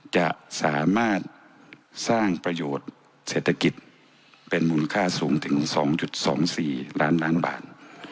จะสามารถสร้างประโยชน์เศรษฐกิจเป็นมูลค่าสูงถึง๒๒๔ล้านล้านบาท